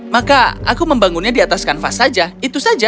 maka aku membangunnya di atas kanvas saja itu saja